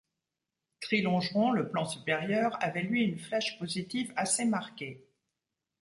Tri-longeron, le plan supérieur avait lui une flèche positive assez marquée.